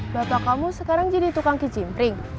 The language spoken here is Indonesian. bapak kamu sekarang jadi tukang kicimpring